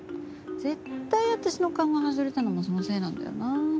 絶対私の勘が外れたのもそのせいなんだよな。